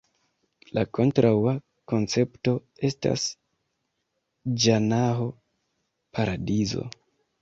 La kontraŭa koncepto estas Ĝanaho (paradizo).